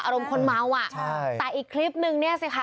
อารมณ์คนเมาอ่ะใช่แต่อีกคลิปนึงเนี่ยสิคะ